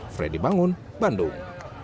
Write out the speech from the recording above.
fredy bangun bandung